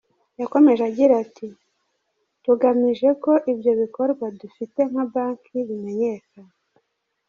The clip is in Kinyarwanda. Yakomeje agira ati “Tugamije ko ibyo bikorwa dufite nka banki bimenyekana.